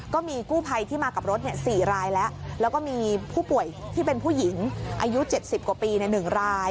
ก็มีกู้ภัยที่มากับรถ๔รายแล้วแล้วก็มีผู้ป่วยที่เป็นผู้หญิงอายุ๗๐กว่าปี๑ราย